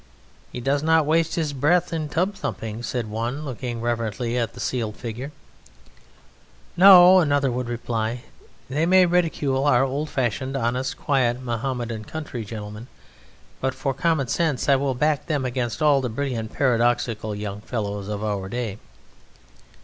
"He does not waste his breath in tub thumping," said one, looking reverently at the sealed figure. "No," another would reply, "they may ridicule our old fashioned, honest, quiet Mohammedan country gentlemen, but for common sense I will back them against all the brilliant paradoxical young fellows of our day."